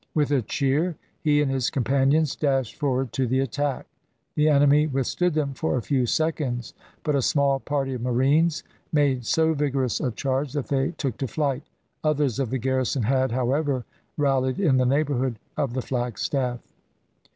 With a cheer, he and his companions dashed forward to the attack. The enemy withstood them for a few seconds, but a small party of marines made so vigorous a charge that they took to flight. Others of the garrison had, however, rallied in the neighbourhood of the flagstaff.